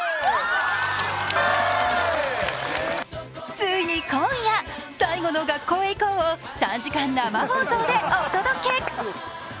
ついに今夜、最後の「学校へ行こう！」を３時間生放送でお届け。